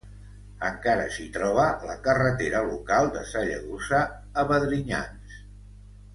Encara, s'hi troba la carretera local de Sallagosa a Vedrinyans.